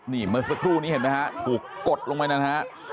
นี่เมื่อสักครู่นี้เห็นไหมฮะถูกกดลงไปนะฮะ